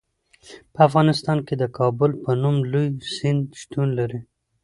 په افغانستان کې د کابل په نوم لوی سیند شتون لري.